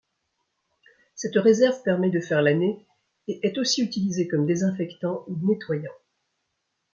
Cette réserve permet de faire l'année et est aussi utilisée comme désinfectant ou nettoyant.